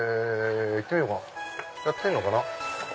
行ってみようかやってんのかな？